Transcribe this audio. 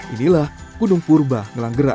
inilah gunung purba ngelanggerak